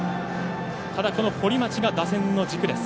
ただ、この堀町が打線の軸です。